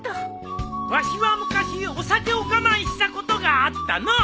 わしは昔お酒を我慢したことがあったのう。